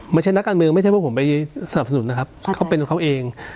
ไม่ใช่นักการเมืองไม่ใช่ว่าผมไปสนับสนุนนะครับเขาเป็นของเขาเอง